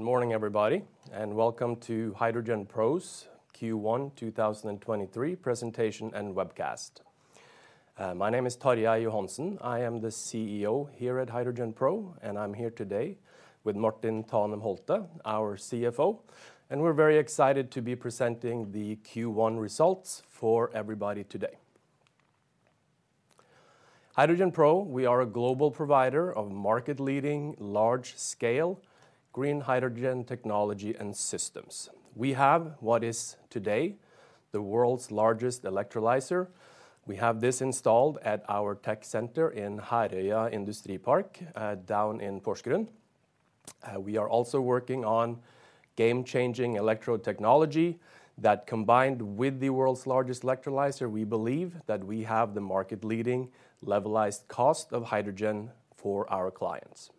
Good morning, everybody, and welcome to HydrogenPro's Q1 2023 presentation and webcast. My name is Tarjei Johansen. I am the CEO here at HydrogenPro, and I'm here today with Martin Holtet, our CFO. We're very excited to be presenting the Q1 results for everybody today. HydrogenPro, we are a global provider of market-leading large-scale green hydrogen technology and systems. We have what is today the world's largest electrolyzer. We have this installed at our tech center in Herøya Industripark, down in Porsgrunn. We are also working on game-changing electrode technology that combined with the world's largest electrolyzer, we believe that we have the market-leading levelized cost of hydrogen for our clients.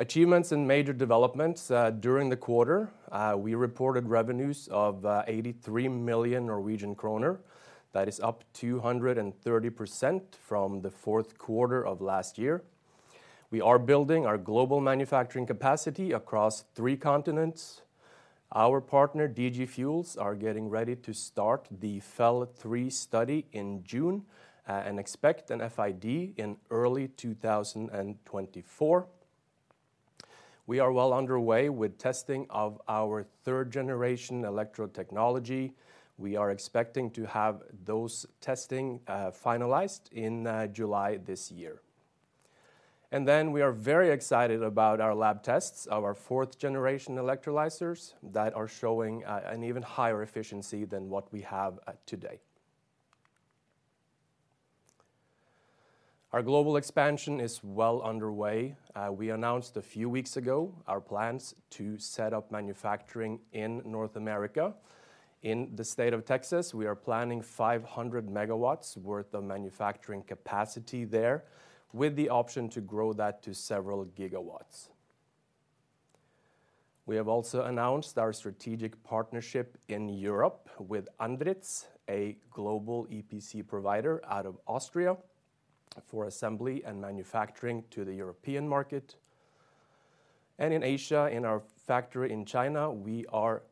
Achievements and major developments during the quarter, we reported revenues of 83 million Norwegian kroner. That is up 230% from the fourth quarter of last year. We are building our global manufacturing capacity across three continents. Our partner DG Fuels are getting ready to start the FEL3 study in June and expect an FID in early 2024. We are well underway with testing of our third generation electrode technology. We are expecting to have those testing finalized in July this year. We are very excited about our lab tests of our fourth generation electrolyzers that are showing a, an even higher efficiency than what we have today. Our global expansion is well underway. We announced a few weeks ago our plans to set up manufacturing in North America. In the state of Texas, we are planning 500 MW worth of manufacturing capacity there with the option to grow that to several gigawatts. We have also announced our strategic partnership in Europe with ANDRITZ, a global EPC provider out of Austria for assembly and manufacturing to the European market. In Asia, in our factory in China, we are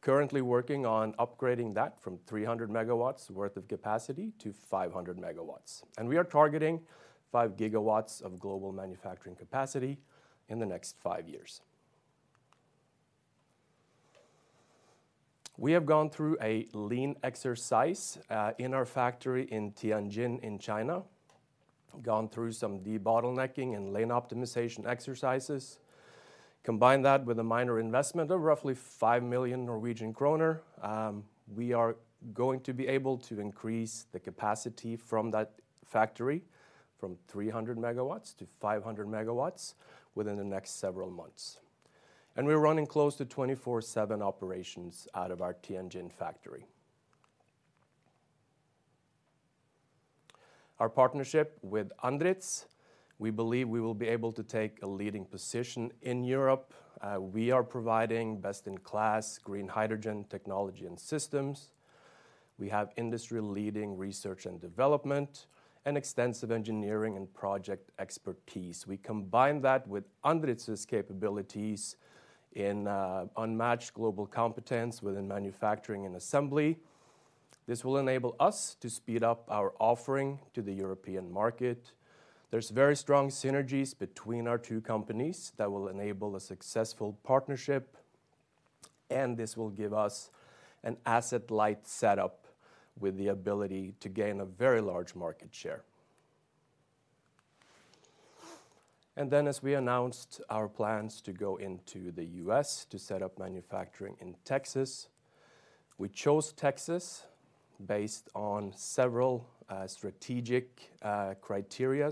currently working on upgrading that from 300 MW worth of capacity to 500 MW. We are targeting 5 GW of global manufacturing capacity in the next five years. We have gone through a lean exercise in our factory in Tianjin in China, gone through some debottlenecking and lean optimization exercises. Combine that with a minor investment of roughly 5 million Norwegian kroner, we are going to be able to increase the capacity from that factory from 300 MW to 500 MW within the next several months. We're running close to 24/7 operations out of our Tianjin factory. Our partnership with ANDRITZ, we believe we will be able to take a leading position in Europe. We are providing best-in-class green hydrogen technology and systems. We have industry-leading research and development and extensive engineering and project expertise. We combine that with ANDRITZ's capabilities in unmatched global competence within manufacturing and assembly. This will enable us to speed up our offering to the European market. There's very strong synergies between our two companies that will enable a successful partnership, and this will give us an asset-light setup with the ability to gain a very large market share. As we announced our plans to go into the U.S. to set up manufacturing in Texas, we chose Texas based on several strategic criteria.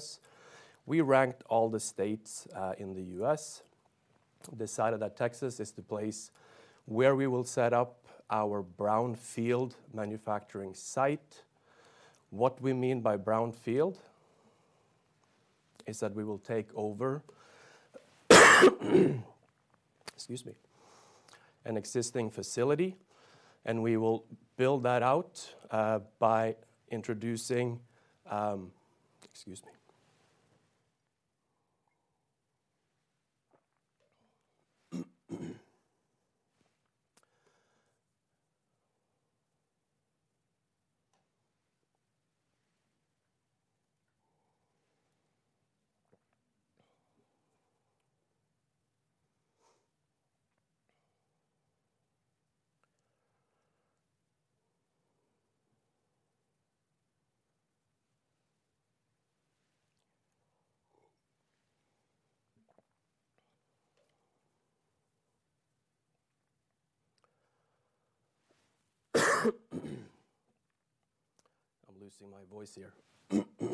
We ranked all the states in the U.S., decided that Texas is the place where we will set up our brownfield manufacturing site. What we mean by brownfield is that we will take over excuse me, an existing facility, and we will build that out by introducing excuse me. I'm losing my voice here.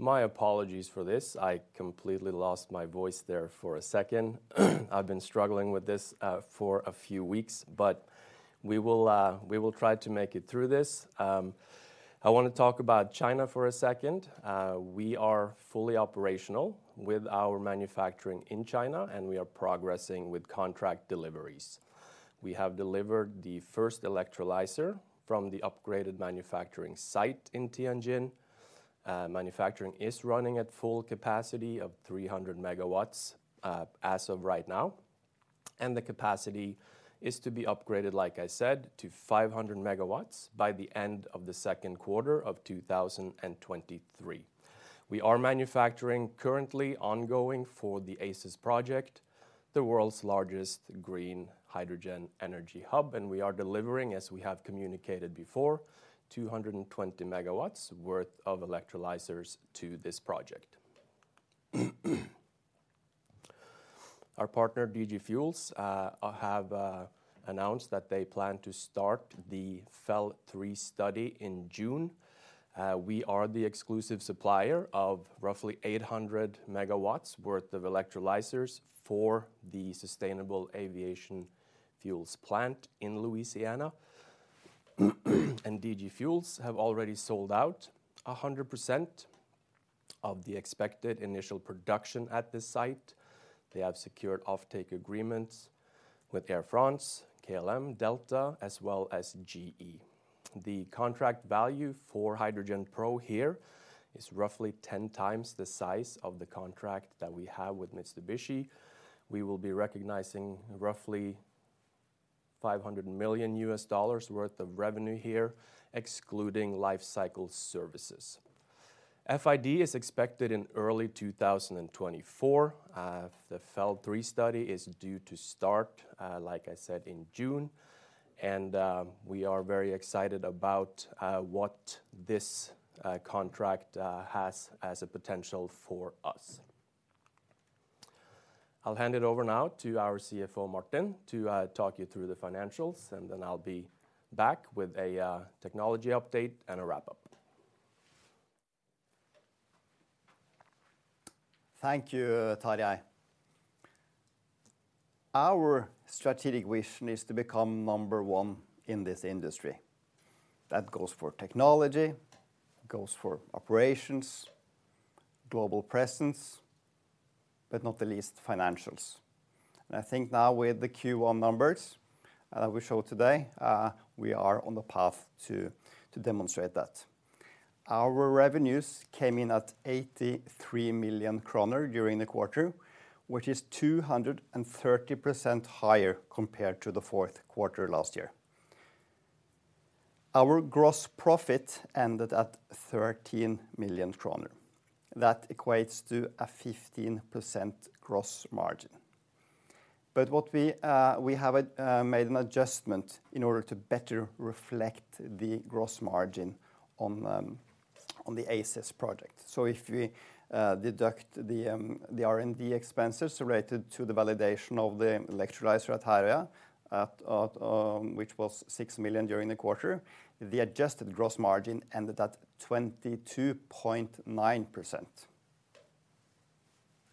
My apologies for this. I completely lost my voice there for a second. I've been struggling with this for a few weeks, but we will, we will try to make it through this. I wanna talk about China for a second. We are fully operational with our manufacturing in China, and we are progressing with contract deliveries. We have delivered the first electrolyzer from the upgraded manufacturing site in Tianjin. Manufacturing is running at full capacity of 300 MW as of right now, and the capacity is to be upgraded, like I said, to 500 MW by the end of the second quarter of 2023. We are manufacturing currently ongoing for the ACES project, the world's largest green hydrogen energy hub, and we are delivering, as we have communicated before, 220 MW worth of electrolyzers to this project. Our partner DG Fuels have announced that they plan to start the FEL3 study in June. We are the exclusive supplier of roughly 800 MW worth of electrolyzers for the sustainable aviation fuels plant in Louisiana. DG Fuels have already sold out 100% of the expected initial production at this site. They have secured offtake agreements with Air France, KLM, Delta, as well as GE. The contract value for HydrogenPro here is roughly 10x the size of the contract that we have with Mitsubishi. We will be recognizing roughly $500 million worth of revenue here, excluding life cycle services. FID is expected in early 2024. The FEL3 study is due to start, like I said, in June. We are very excited about what this contract has as a potential for us. I'll hand it over now to our CFO, Martin, to talk you through the financials and then I'll be back with a technology update and a wrap-up. Thank you, Tarjei. Our strategic vision is to become Number 1 in this industry. That goes for technology, it goes for operations, global presence, but not the least, financials. I think now with the Q1 numbers that we show today, we are on the path to demonstrate that. Our revenues came in at 83 million kroner during the quarter, which is 230% higher compared to the fourth quarter last year. Our gross profit ended at 13 million kroner. That equates to a 15% gross margin. What we have made an adjustment in order to better reflect the gross margin on the ACES project. If we deduct the R&D expenses related to the validation of the electrolyzer at Herøya. which was 6 million during the quarter, the adjusted gross margin ended at 22.9%.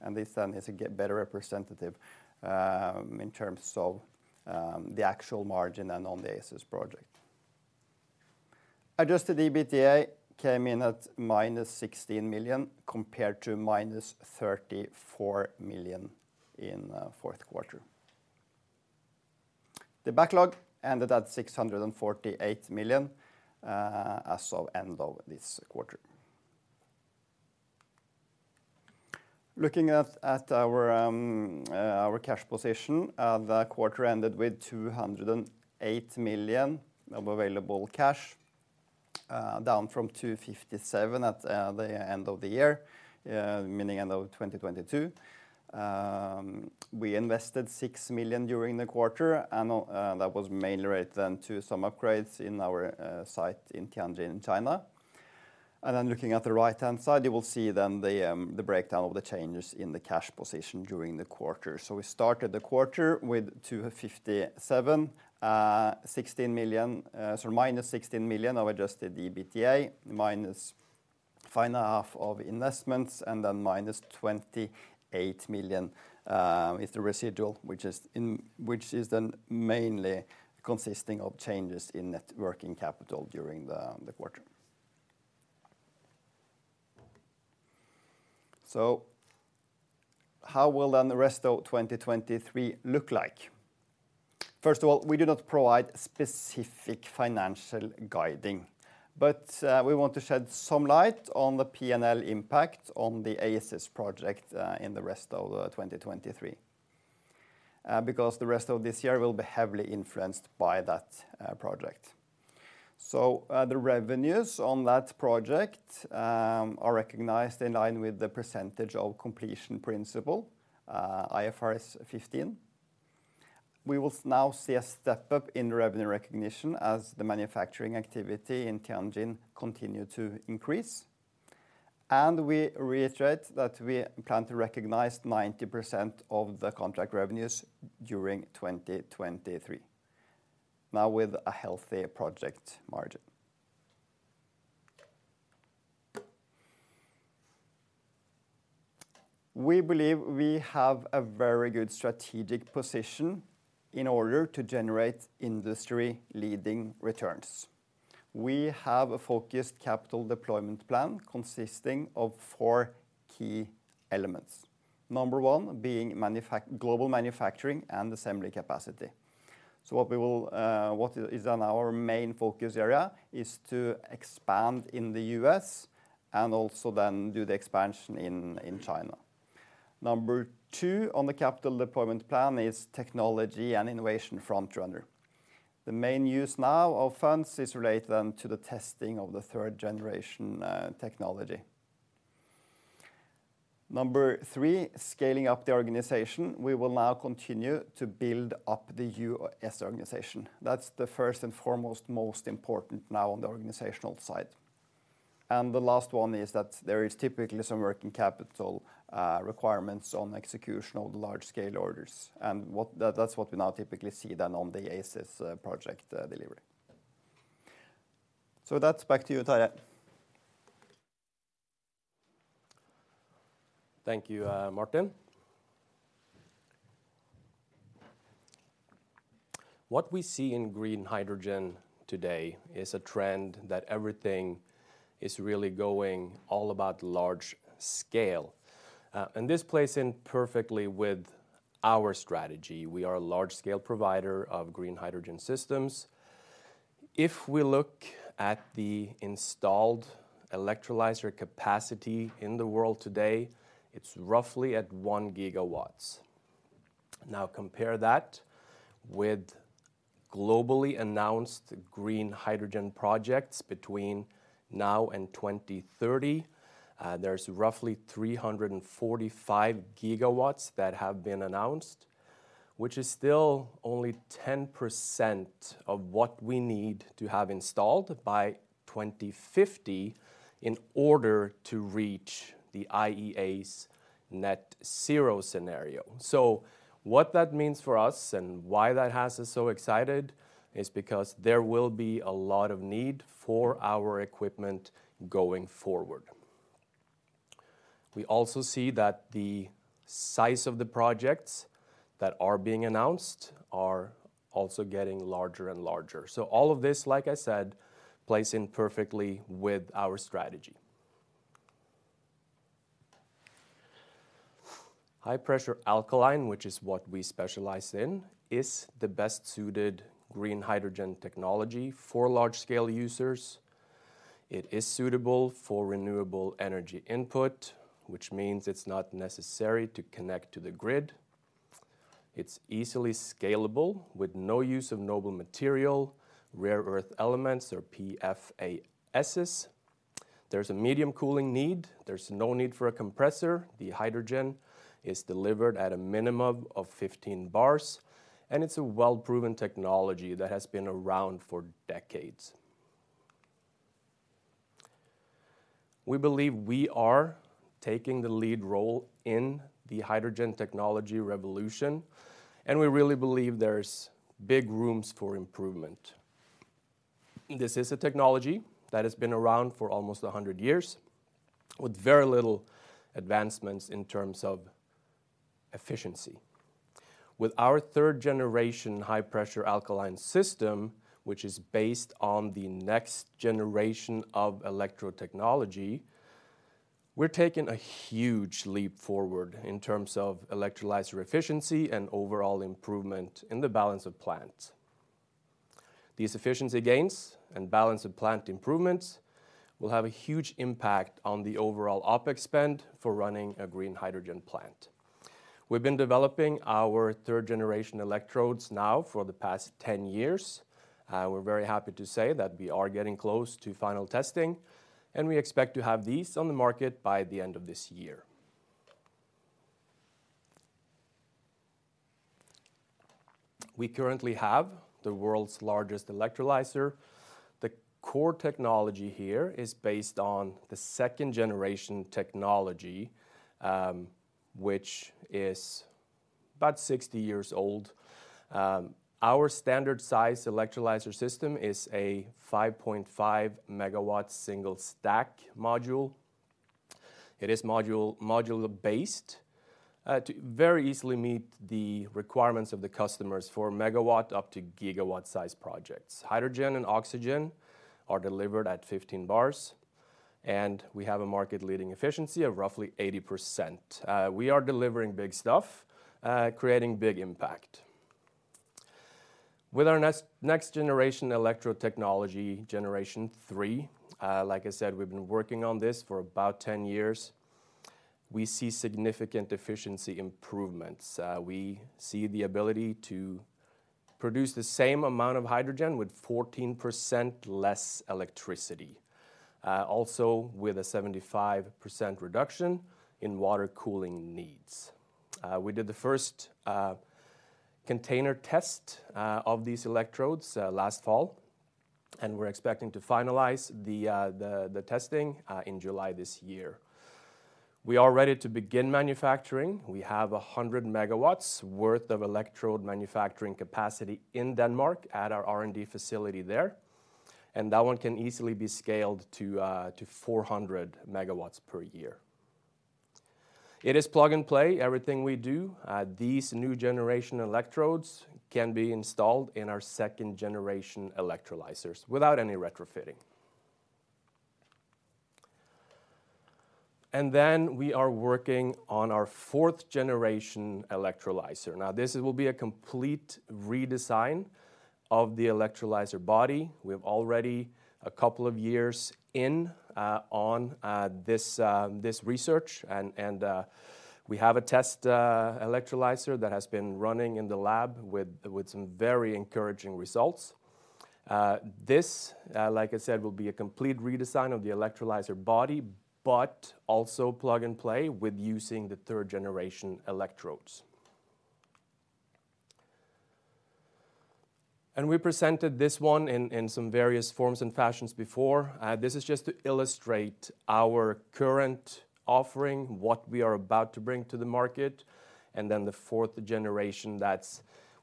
This then is a better representative in terms of the actual margin and on the ACES project. Adjusted EBITDA came in at minus 16 million compared to minus 34 million in fourth quarter. The backlog ended at 648 million as of end of this quarter. Looking at our cash position, the quarter ended with 208 million of available cash, down from 257 million at the end of the year, meaning end of 2022. We invested 6 million during the quarter and that was mainly related then to some upgrades in our site in Tianjin in China. Looking at the right-hand side, you will see then the breakdown of the changes in the cash position during the quarter. We started the quarter with 257, so minus 16 million of adjusted EBITDA, minus final half of investments, and then minus 28 million is the residual which is then mainly consisting of changes in net working capital during the quarter. How will then the rest of 2023 look like? First of all, we do not provide specific financial guiding. We want to shed some light on the P&L impact on the ACES project in the rest of 2023. The rest of this year will be heavily influenced by that project. The revenues on that project are recognized in line with the percentage of completion principle, IFRS 15. We will now see a step up in revenue recognition as the manufacturing activity in Tianjin continue to increase. We reiterate that we plan to recognize 90% of the contract revenues during 2023, now with a healthy project margin. We believe we have a very good strategic position in order to generate industry-leading returns. We have a focused capital deployment plan consisting of four key elements. Number 1 being global manufacturing and assembly capacity. What we will, what is on our main focus area is to expand in the U.S. and also then do the expansion in China. Number 2 on the capital deployment plan is technology and innovation frontrunner. The main use now of funds is related then to the testing of the third generation technology. Number 3, scaling up the organization. We will now continue to build up the U.S. organization. That's the first and foremost most important now on the organizational side. The last one is that there is typically some working capital requirements on execution of the large scale orders. That's what we now typically see then on the ACES project delivery. With that, back to you, Tarjei. Thank you, Martin. What we see in green hydrogen today is a trend that everything is really going all about large scale. This plays in perfectly with our strategy. We are a large scale provider of green hydrogen systems. If we look at the installed electrolyzer capacity in the world today, it's roughly at 1 GW. Now compare that with globally announced green hydrogen projects between now and 2030. There's roughly 345 GW that have been announced. Which is still only 10% of what we need to have installed by 2050 in order to reach the IEA's Net Zero scenario. What that means for us and why that has us so excited is because there will be a lot of need for our equipment going forward. We also see that the size of the projects that are being announced are also getting larger and larger. All of this, like I said, plays in perfectly with our strategy. high pressure alkaline, which is what we specialize in, is the best-suited green hydrogen technology for large scale users. It is suitable for renewable energy input, which means it's not necessary to connect to the grid. It's easily scalable with no use of noble material, rare earth elements or PFAS. There's a medium cooling need. There's no need for a compressor. The hydrogen is delivered at a minimum of 15 bars, and it's a well-proven technology that has been around for decades. We believe we are taking the lead role in the hydrogen technology revolution, and we really believe there's big rooms for improvement. This is a technology that has been around for almost 100 years with very little advancements in terms of efficiency. With our third-generation high-pressure alkaline system, which is based on the next generation of electrode technology, we're taking a huge leap forward in terms of electrolyzer efficiency and overall improvement in the balance of plant. These efficiency gains and balance of plant improvements will have a huge impact on the overall OpEx spend for running a green hydrogen plant. We've been developing our third-generation electrodes now for the past 10 years. We're very happy to say that we are getting close to final testing, and we expect to have these on the market by the end of this year. We currently have the world's largest electrolyzer. The core technology here is based on the second-generation technology, which is about 60 years old. Our standard size electrolyzer system is a 5.5 MW single stack module. It is modular-based to very easily meet the requirements of the customers for megawatt up to gigawatt-size projects. Hydrogen and oxygen are delivered at 15 bars, and we have a market-leading efficiency of roughly 80%. We are delivering big stuff, creating big impact. With our next Generation 3 electrode technology, like I said, we've been working on this for about 10 years, we see significant efficiency improvements. We see the ability to produce the same amount of hydrogen with 14% less electricity. Also with a 75% reduction in water cooling needs. We did the first container test of these electrodes last fall, and we're expecting to finalize the testing in July this year. We are ready to begin manufacturing. We have 100 MW worth of electrode manufacturing capacity in Denmark at our R&D facility there. That one can easily be scaled to 400 MW per year. It is plug and play, everything we do. These new-generation electrodes can be installed in our second-generation electrolyzers without any retrofitting. We are working on our fourth-generation electrolyzer. Now, this will be a complete redesign of the electrolyzer body. We're already a couple of years in on this research and we have a test electrolyzer that has been running in the lab with some very encouraging results. This, like I said, will be a complete redesign of the electrolyzer body, but also plug and play with using the third-generation electrodes. We presented this one in some various forms and fashions before. This is just to illustrate our current offering, what we are about to bring to the market, then the fourth generation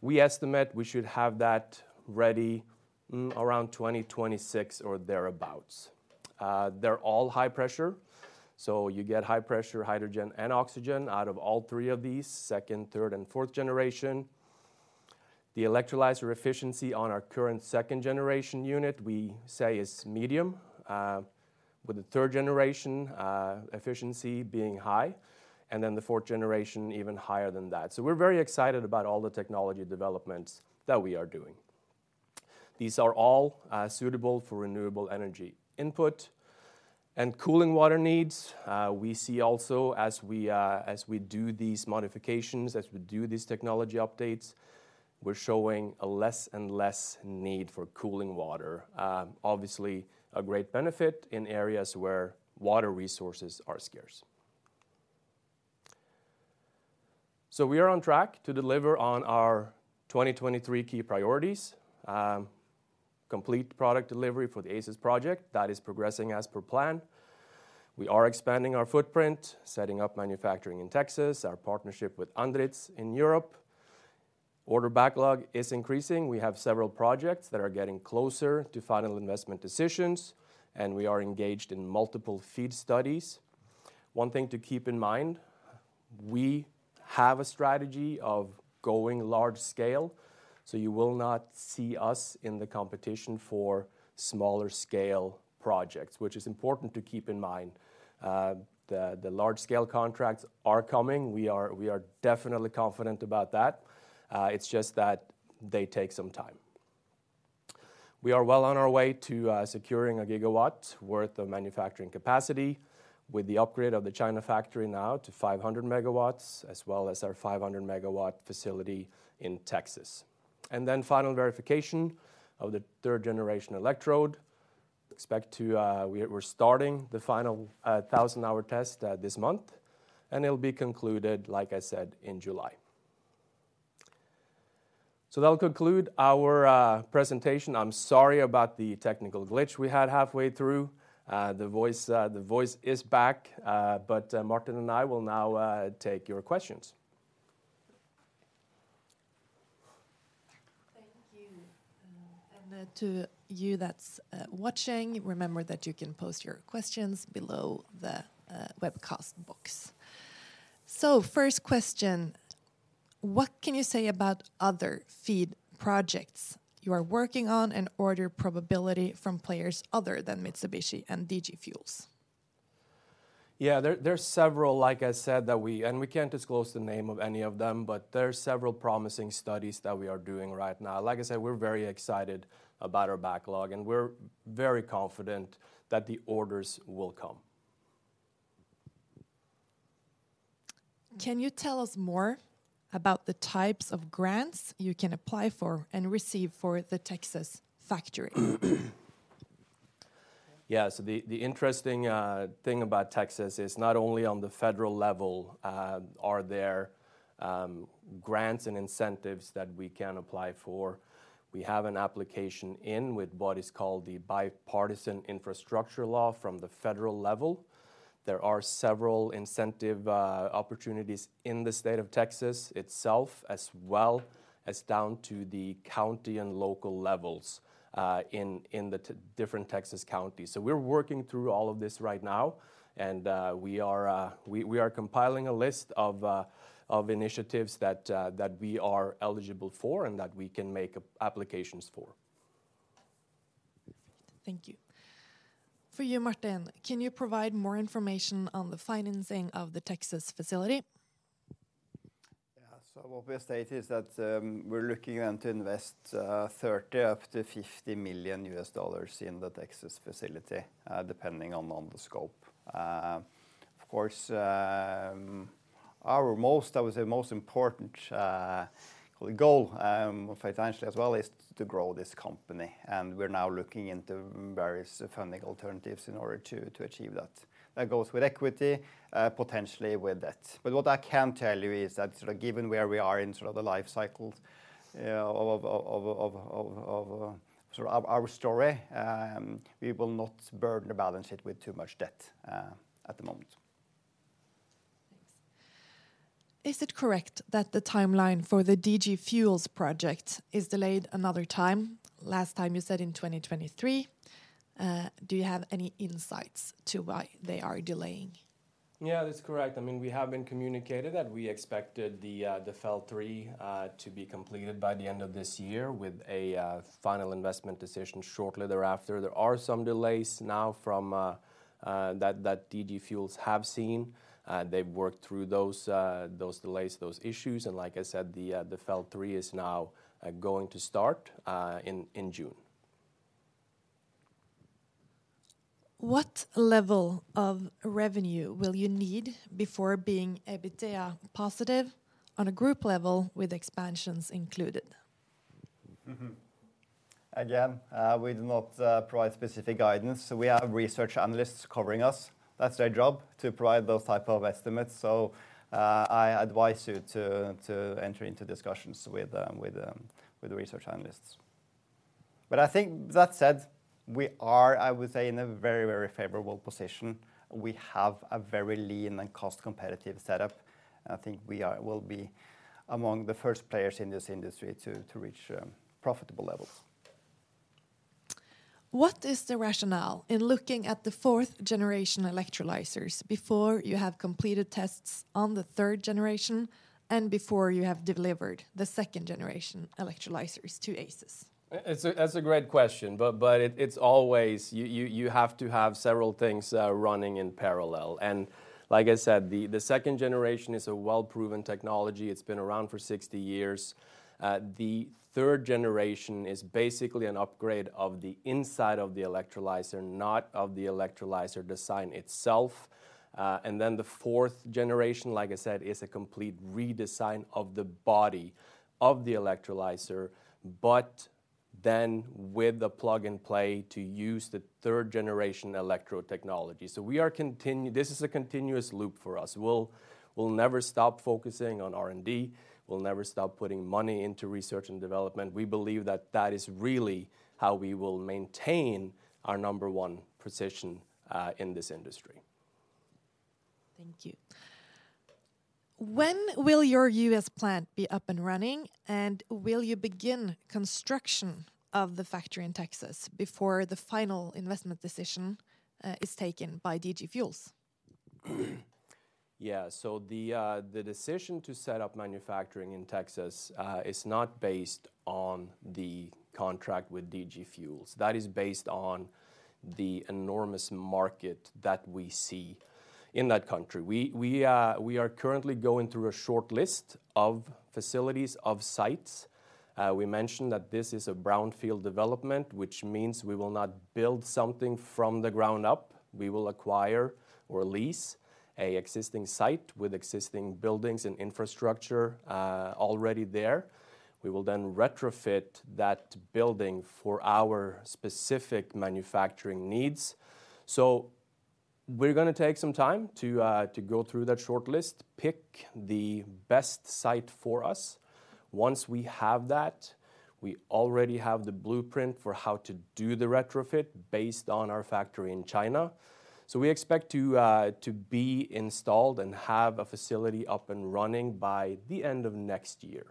we estimate we should have that ready around 2026 or thereabout. They're all high pressure, so you get high pressure hydrogen and oxygen out of all three of these, second, third and fourth generation. The electrolyzer efficiency on our current second generation unit, we say is medium. With the third generation efficiency being high, then the fourth generation even higher than that. We're very excited about all the technology developments that we are doing. These are all suitable for renewable energy input and cooling water needs. We see also as we, as we do these modifications, as we do these technology updates. We're showing a less and less need for cooling water, obviously a great benefit in areas where water resources are scarce. We are on track to deliver on our 2023 key priorities. Complete product delivery for the ACES project, that is progressing as per plan. We are expanding our footprint, setting up manufacturing in Texas, our partnership with ANDRITZ in Europe. Order backlog is increasing. We have several projects that are getting closer to final investment decisions, and we are engaged in multiple FEED studies. One thing to keep in mind, we have a strategy of going large scale, so you will not see us in the competition for smaller scale projects, which is important to keep in mind. The large scale contracts are coming. We are definitely confident about that. It's just that they take some time. We are well on our way to securing a gigawatt worth of manufacturing capacity with the upgrade of the China factory now to 500 MW, as well as our 500 MW facility in Texas. And then final verification of the third generation electrode. We're starting the final 1,000-hour test this month, and it'll be concluded, like I said, in July. That will conclude our presentation. I'm sorry about the technical glitch we had halfway through. The voice is back. Martin Holtet and I will now take your questions. Thank you. To you that's watching, remember that you can post your questions below the webcast box. First question, what can you say about other FEED projects you are working on and order probability from players other than Mitsubishi and DG Fuels? Yeah. There are several, like I said, that we can't disclose the name of any of them. There are several promising studies that we are doing right now. Like I said, we're very excited about our backlog. We're very confident that the orders will come. Can you tell us more about the types of grants you can apply for and receive for the Texas factory? Interesting about Texas is not only on the federal level are there grants and incentives that we can apply for. We have an application in with what is called the Bipartisan Infrastructure Law from the federal level. There are several incentive opportunities in the state of Texas itself as well as down to the county and local levels in different Texas counties. We are working through all of this right now, and we are compiling a list of initiatives that we are eligible for and that we can make applications for. Thank you. For you, Martin, can you provide more information on the financing of the Texas facility? Yeah. What we have stated is that, we're looking then to invest $30 million-$50 million in the Texas facility, depending on the scope. Of course, our most, I would say, most important goal financially as well is to grow this company, and we're now looking into various funding alternatives in order to achieve that. That goes with equity, potentially with debt. What I can tell you is that sort of given where we are in sort of the life cycle, of sort of our story, we will not burden the balance sheet with too much debt, at the moment. Thanks. Is it correct that the timeline for the DG Fuels project is delayed another time? Last time you said in 2023. Do you have any insights to why they are delaying? That's correct. I mean, we have been communicated that we expected the FEL3 to be completed by the end of this year with a final investment decision shortly thereafter. There are some delays now from that DG Fuels have seen. They've worked through those delays, those issues, and like I said, the FEL3 is now going to start in June. What level of revenue will you need before being EBITDA positive on a group level with expansions included? We do not provide specific guidance. We have research analysts covering us. That's their job to provide those type of estimates. I advise you to enter into discussions with the research analysts. I think that said, we are, I would say, in a very, very favorable position. We have a very lean and cost competitive setup. I think we will be among the first players in this industry to reach profitable levels. What is the rationale in looking at the fourth generation electrolyzers before you have completed tests on the third generation and before you have delivered the second generation electrolyzers to ACES? That's a great question, but it's always you have to have several things running in parallel. Like I said, the second generation is a well-proven technology. It's been around for 60 years. Third generation is basically an upgrade of the inside of the electrolyzer, not of the electrolyzer design itself. Then the fourth generation, like I said, is a complete redesign of the body of the electrolyzer, but then with the plug-and-play to use the third generation electrode technology. This is a continuous loop for us. We'll never stop focusing on R&D. We'll never stop putting money into research and development. We believe that that is really how we will maintain our Number 1 position in this industry. Thank you. When will your U.S. plant be up and running, and will you begin construction of the factory in Texas before the final investment decision is taken by DG Fuels? The decision to set up manufacturing in Texas is not based on the contract with DG Fuels. That is based on the enormous market that we see in that country. We are currently going through a short list of facilities, of sites. We mentioned that this is a brownfield development, which means we will not build something from the ground up. We will acquire or lease a existing site with existing buildings and infrastructure already there. We will then retrofit that building for our specific manufacturing needs. We're gonna take some time to go through that shortlist, pick the best site for us. Once we have that, we already have the blueprint for how to do the retrofit based on our factory in China. We expect to be installed and have a facility up and running by the end of next year.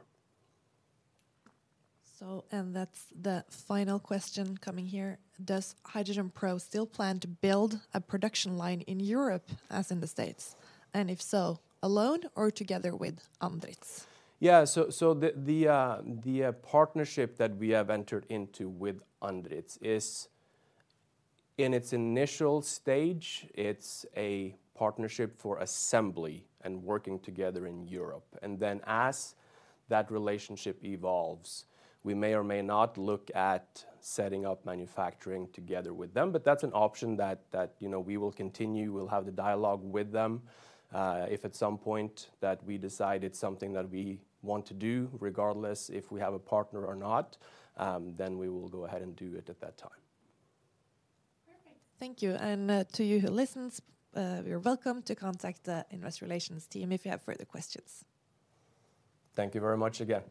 That's the final question coming here. Does HydrogenPro still plan to build a production line in Europe as in the States? If so, alone or together with ANDRITZ? Yeah. The partnership that we have entered into with ANDRITZ is in its initial stage. It's a partnership for assembly and working together in Europe. As that relationship evolves, we may or may not look at setting up manufacturing together with them. That's an option that, you know, we will continue. We'll have the dialogue with them. If at some point that we decide it's something that we want to do, regardless if we have a partner or not, then we will go ahead and do it at that time. Perfect. Thank you. To you who listens, you're welcome to contact the investor relations team if you have further questions. Thank you very much again.